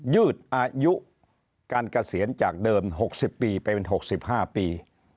ยืดอายุการเกษียณจากเดิม๖๐ปีไปเป็น๖๕ปี